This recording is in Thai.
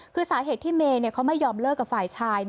คือสาเหตุที่เมย์เขาไม่ยอมเลิกกับฝ่ายชาย